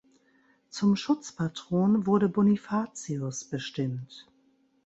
Zum Schutzpatron wurde Bonifatius bestimmt.